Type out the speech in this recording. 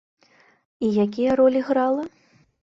І якія ролі грала?